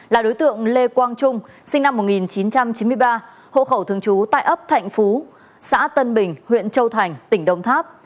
là đối tượng lê quang trung sinh năm một nghìn chín trăm chín mươi ba hộ khẩu thường trú tại ấp thạnh phú xã tân bình huyện châu thành tỉnh đông tháp